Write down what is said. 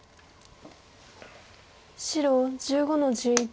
白１５の十一。